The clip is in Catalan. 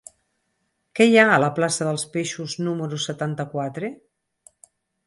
Què hi ha a la plaça dels Peixos número setanta-quatre?